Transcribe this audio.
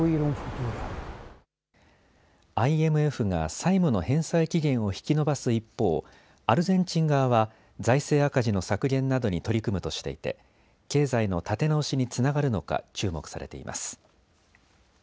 ＩＭＦが債務の返済期限を引き延ばす一方、アルゼンチン側は財政赤字の削減などに取り組むとしていて経済の立て直しにつながるのか注目されています。